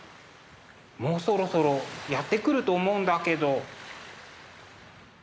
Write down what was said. もうそろそろやって来ると思うんだけど。